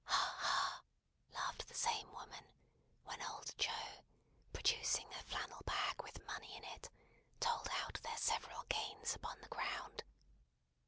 "Ha, ha!" laughed the same woman, when old Joe, producing a flannel bag with money in it, told out their several gains upon the ground.